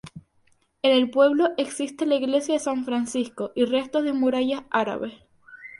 En el pueblo existe la Iglesia de San Francisco y restos de murallas árabes.